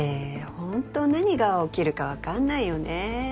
ホント何が起きるか分かんないよね。